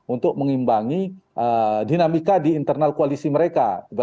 untuk mengimbangi dinamika di internal koalisi mereka